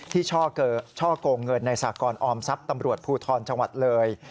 ช่อกงเงินในสากรออมทรัพย์ตำรวจภูทรจังหวัดเลย